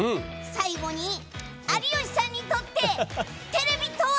最後に、有吉さんにとってテレビとは？